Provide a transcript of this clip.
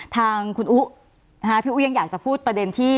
ทางคุณอุ๊พี่อุ๊ยังอยากจะพูดประเด็นที่